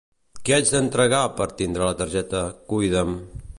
Què haig d'entregar per tindre la targeta Cuida'm?